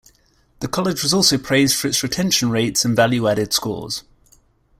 The College was also praised for its retention rates and value-added scores.